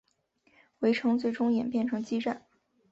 围城最终演变成激战。